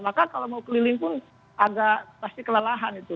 maka kalau mau keliling pun agak pasti kelelahan itu